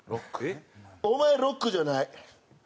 「お前ロックじゃない」。